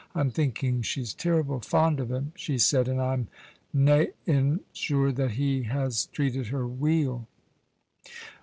"I'm thinking she's terrible fond o' him," she said, "and I'm nain sure that he has treated her weel."